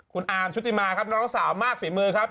คุณอาร์มชุติมาครับน้องสาวมากฝีมือครับ